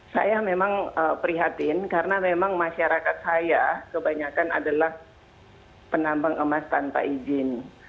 saya memang prihatin karena memang masyarakat saya kebanyakan adalah penambang emas tanpa izin